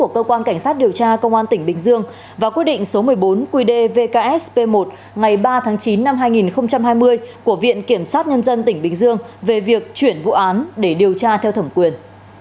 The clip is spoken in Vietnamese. cơ quan cảnh sát điều tra bộ công an đang điều tra vụ án vi phạm quy định về quản lý sử dụng tài sản nhà nước gây thất thoát lãng phí xảy ra tại tổng công ty sản xuất xuất nhập khẩu bình dương